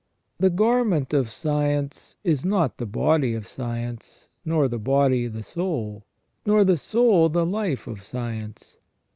The garment of science is not the body of science, nor the body the soul, nor the soul the life of science.